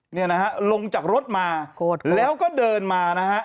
เนี่ยนะฮะลงจากรถมาแล้วก็เดินมานะฮะ